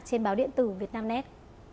trên báo điện tử việt nam net